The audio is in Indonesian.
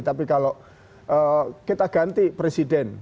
tapi kalau kita ganti presiden